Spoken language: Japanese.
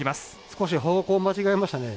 少し方向を間違えましたね。